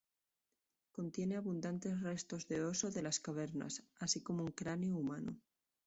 Contiene abundantes restos de oso de las cavernas, así como un cráneo humano.